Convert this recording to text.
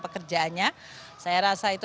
pekerjaannya saya rasa itu